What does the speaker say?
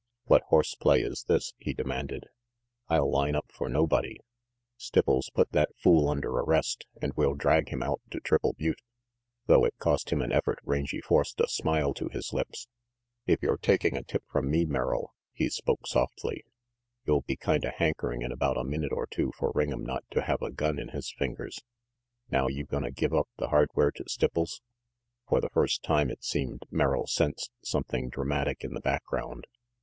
"What horse play is this?" he demanded. "I'll line up for nobody. Stipples, put that fool under arrest, and we'll drag him out to Triple Butte." Though it cost him an effort, Rangy forced a smile to his lips. "If you're taking a tip from me, Merrill," he spoke softly, "you'll be kinda hankering in about a minute or two for Ring 'em not to have a gun in his fingers. Now you gonna give up the hardware to Stipples?" For the first time, it seemed, Merrill sensed some thing dramatic in the background.